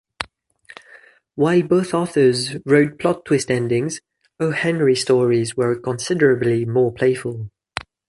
While both authors wrote plot twist endings, O. Henry stories were considerably more playful.